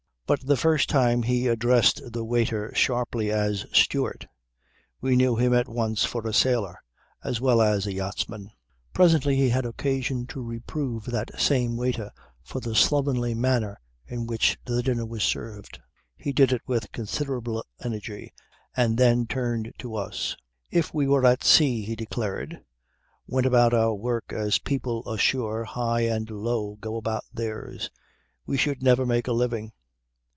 But the first time he addressed the waiter sharply as 'steward' we knew him at once for a sailor as well as a yachtsman. Presently he had occasion to reprove that same waiter for the slovenly manner in which the dinner was served. He did it with considerable energy and then turned to us. "If we at sea," he declared, "went about our work as people ashore high and low go about theirs we should never make a living.